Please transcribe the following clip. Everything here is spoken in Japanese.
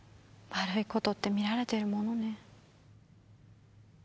悪いことって見られてるものね。